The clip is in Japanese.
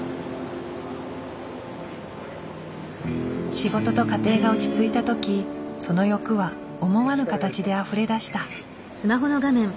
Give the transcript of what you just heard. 仕事と家庭が落ち着いた時その欲は思わぬ形であふれ出した。